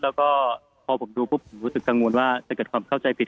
แล้วก็พอผมดูปุ๊บผมรู้สึกกังวลว่าจะเกิดความเข้าใจผิด